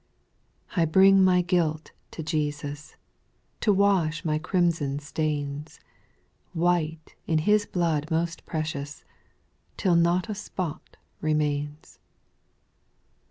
I bring my guilt to Jesus, To wash my crimson stains, White in His blood most preciouS; Till not a spot remains.